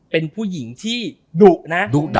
เป็นผู้หญิงที่ดุนะ